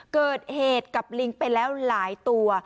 เกิดเหตุกับลิงไปแล้วหลายตัว